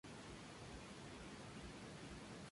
La estructura participativa de la Copa le permitió a Guerra Jr.